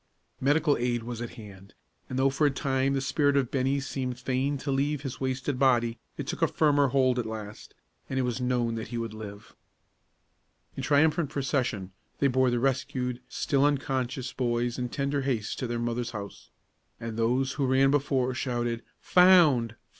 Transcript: Medical aid was at hand, and though for a time the spirit of Bennie seemed fain to leave his wasted body, it took a firmer hold at last, and it was known that he would live. In triumphant procession, they bore the rescued, still unconscious, boys in tender haste to their mother's house; and those who ran before shouted, "Found!